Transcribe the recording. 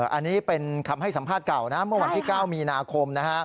อันนี้เป็นคำให้สัมภาษณ์เก่านะเมื่อวันที่๙มีนาคมนะฮะ